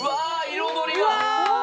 彩りが！